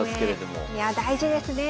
大事ですね